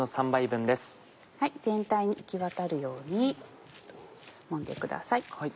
全体に行きわたるようにもんでください。